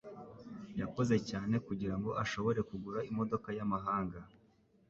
Yakoze cyane kugirango ashobore kugura imodoka yamahanga.